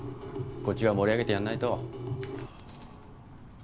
こっちが盛り上げてやらないと。